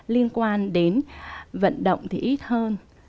liên quan đến vận động thì ít hơn